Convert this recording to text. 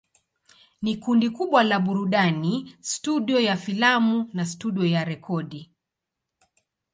Ni kundi kubwa la burudani, studio ya filamu na studio ya rekodi.